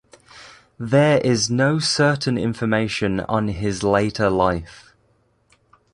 There is no certain information on his later life.